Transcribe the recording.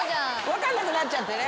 分かんなくなっちゃってね。